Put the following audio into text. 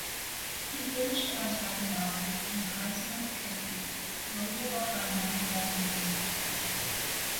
He finished as runner-up in Heisman Trophy voting behind winner Glenn Davis of Army.